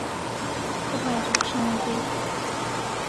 破坏者尚未被捕。